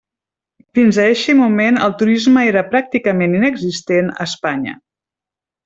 Fins a eixe moment el turisme era pràcticament inexistent a Espanya.